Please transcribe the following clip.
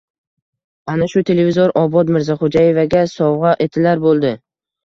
Ana shu televizor Obod Mirzaxo‘jaevaga sovg‘a etilar bo‘ldi.